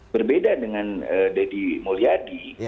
berbeda dengan deddy mulyadi